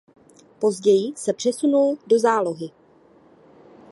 Později se přesunul do zálohy.